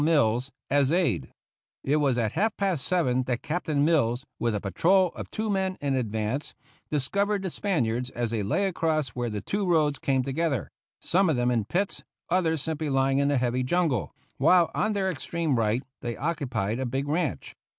Mills, as aide. It was at half past seven that Captain Mills, with a patrol of two men in advance, discovered the Spaniards as they lay across where the two roads came together, some of them in pits, others simply lying in the heavy jungle, while on their extreme right they occupied a big ranch.